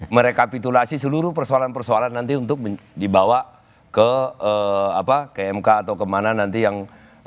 merekapitulasi seluruh persoalan persoalan nanti untuk dibawa ke kmk atau kemana nanti yang